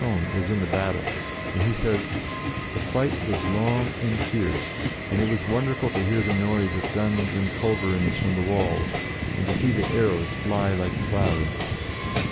on, was in the battle, and he says, "The fight was long and fierce, and it was wonderful to hear the noise of guns and culverins from the walls, and to see the arrows fly like clouds.